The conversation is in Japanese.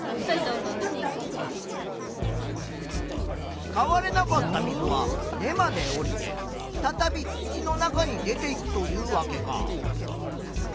使われなかった水は根まで下りてふたたび土の中に出ていくというわけか。